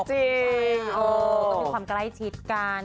ก็มีความใกล้จิตกัน